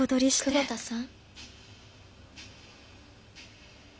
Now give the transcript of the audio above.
久保田さん？